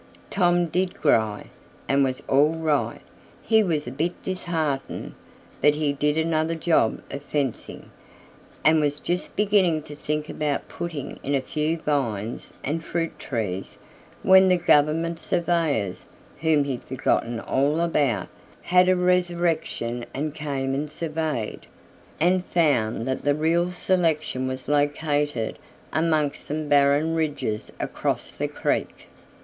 Tom did "gry" and was all right. He was a bit disheartened, but he did another job of fencing, and was just beginning to think about "puttin' in a few vines an' fruit trees" when the government surveyors whom he'd forgotten all about had a resurrection and came and surveyed, and found that the real selection was located amongst some barren ridges across the creek.